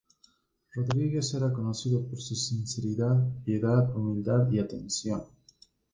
Rodríguez era conocido por su sinceridad, piedad, humildad y atención.